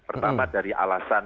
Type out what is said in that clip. pertama dari alasan